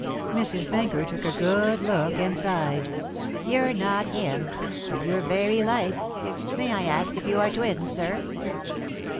Mrs. Benker took a good look and sighed. "You're not him, but you're very like. May I ask if you are twins, sir?"